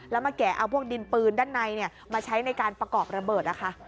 แล้วมาแกะเอาพวกดินปืนด้านในมาใช้ในการประกอบระเบิดนะคะ